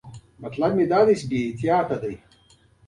ټول وچې شونډې دسترخوان ته کښېناستل.